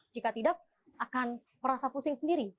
jika tidak akan merasa pusing sendiri